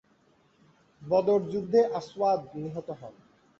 বদর যুদ্ধে আসওয়াদ নিহত হন।